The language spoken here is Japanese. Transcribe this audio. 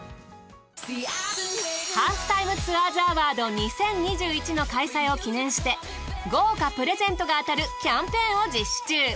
ハーフタイムツアーズアワード２０２１の開催を記念して豪華プレゼントが当たるキャンペーンを実施中。